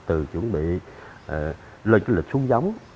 từ chuẩn bị lên cái lịch xuống giống